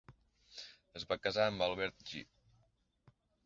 Es va casar amb Albert Jee.